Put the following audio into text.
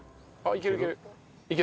いけるいける。